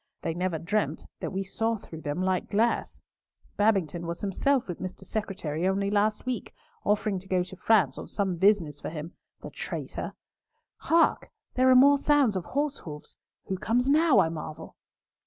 They never dreamt that we saw through them like glass. Babington was himself with Mr. Secretary only last week, offering to go to France on business for him—the traitor! Hark! there are more sounds of horse hoofs. Who comes now, I marvel!"